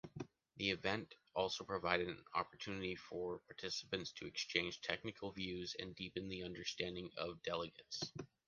The event also provided an opportunity for participants to exchange technical views and deepen the understanding of delegates.